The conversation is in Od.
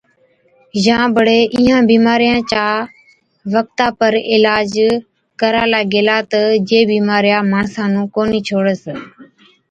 يان بڙي اِيهان بِيمارِيان چا وقتا پر علاج ڪرالا گيلا تہ جي بِيمارِيا ماڻسا نُون ڪونهِي ڇوڙس